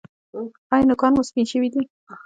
ایا نوکان مو سپین شوي دي؟